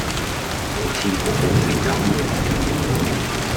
好似好好食咁喎